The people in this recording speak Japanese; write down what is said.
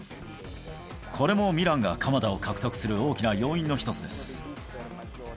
これもミランが鎌田を獲得する大きな要因の一つです。